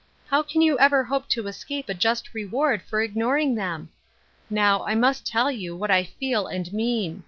How can you ever hope to escape a just reward for ignoring them ? Now, I must tell you what I feel and mean.